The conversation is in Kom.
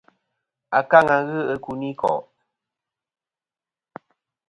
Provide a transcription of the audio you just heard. Akaŋa ghɨ i kuyniko'.